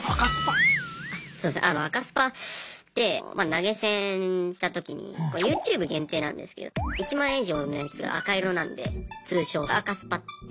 赤スパって投げ銭したときにＹｏｕＴｕｂｅ限定なんですけど１万円以上のやつが赤色なんで通称が赤スパって